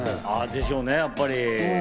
でしょうね、やっぱり。